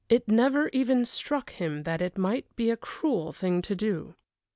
It never even struck him then it might be a cruel thing to do.